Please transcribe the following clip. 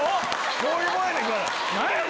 そういうもんやねんから。